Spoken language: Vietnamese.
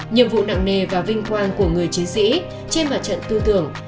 nhiệm vụ nặng nề và vinh quang của người chiến sĩ trên mặt trận tư tưởng